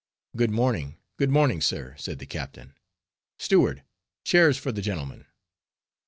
"Good morning, good morning, sir," said the captain. "Steward, chairs for the gentlemen."